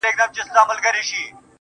میکده په نامه نسته، هم حرم هم محرم دی.